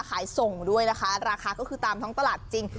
ขายส่งด้วยนะคะราคาก็คือตามท้องตลาดจริง